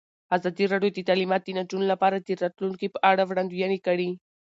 ازادي راډیو د تعلیمات د نجونو لپاره د راتلونکې په اړه وړاندوینې کړې.